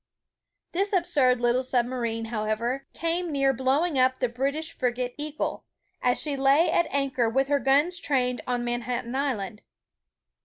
This absurd little submarine, however, came near blow ing up the British frigate Eagle, as she lay at anchor with her guns trained on Manhattan Island.